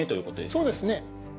そうですね。